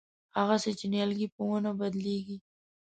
هغسې چې نیالګی په ونې بدلېږي.